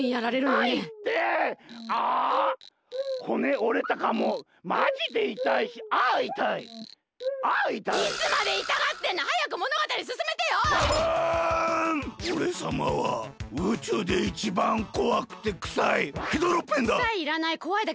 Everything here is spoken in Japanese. おれさまはうちゅうでいちばんこわくてくさいヘドロッペンだ！